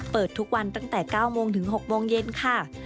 เปิดทุกวันตั้งแต่๙โมงถึง๖โมงเย็นค่ะ